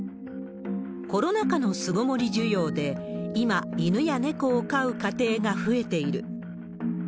コロナ禍の巣ごもり需要で、今、犬や猫を飼う家庭が増えている。